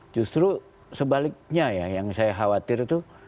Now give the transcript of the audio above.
justru sebaliknya ya yang saya khawatir itu